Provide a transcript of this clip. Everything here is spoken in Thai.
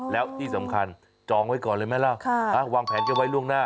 แล้วที่สำคัญจองไว้ก่อนเลยไหมล่ะวางแผนกันไว้ล่วงหน้า